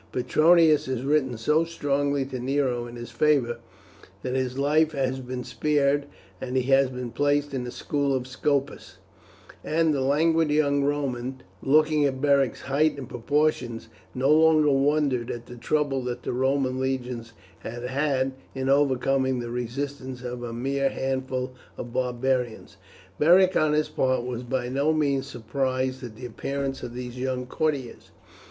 Petronius has written so strongly to Nero in his favour that his life has been spared, and he has been placed in the school of Scopus;" and the languid young Romans, looking at Beric's height and proportions, no longer wondered at the trouble that the Roman legions had had in overcoming the resistance of a mere handful of barbarians. Beric on his part was by no means surprised at the appearance of these young courtiers.